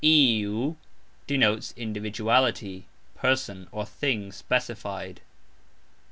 "iu" denotes individuality, person, or thing specified.